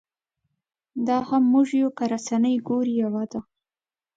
دا هم موږ یو که رسنۍ ګورې یوه ده.